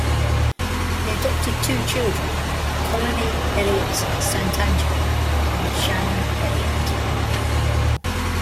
They adopted two children, Colony Elliott Santangelo and Shannon Elliott.